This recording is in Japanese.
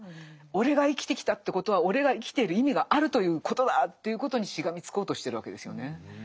俺が生きてきたってことは俺が生きている意味があるということだということにしがみつこうとしてるわけですよね。